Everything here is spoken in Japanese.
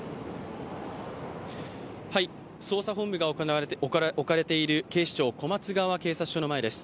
捜査本部が置かれている警視庁小松川警察署の前です。